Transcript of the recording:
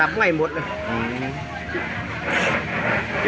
ไม่รู้